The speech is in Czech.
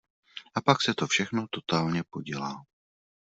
A pak se to všechno totálně podělá.